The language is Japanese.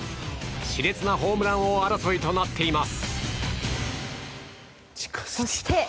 し烈なホームラン王争いとなっています。